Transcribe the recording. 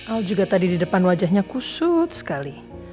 oh juga tadi di depan wajahnya kusut sekali